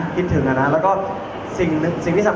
คิดถึงนะ